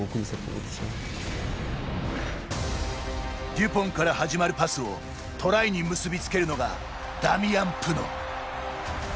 デュポンから始まるパスをトライに結びつけるのがダミアン・プノ。